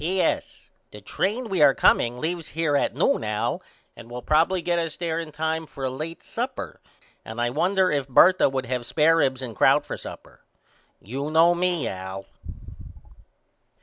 P.S. The train we are comeing on leaves here at noon Al and will probily get us there in time for a late supper and I wonder if Bertha would have spair ribs and crout for supper. You know me Al.